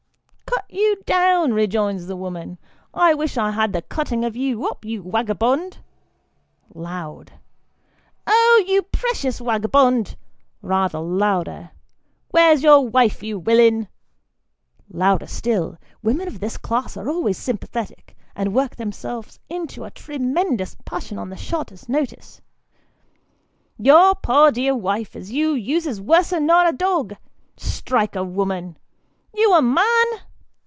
" Cut you down," rejoins the woman, " I wish I had the cutting of you up, you wagabond ! (loud.) Oh ! you precious wagabond ! (rather louder.) Where's your wife, you willin ? (louder still ; women of this class are always sympathetic, and work themselves into a 142 Sketches by Boz, tremendous passion on the shortest notice.) Your poor dear wife as you uses worser nor a dog strike a woman you a man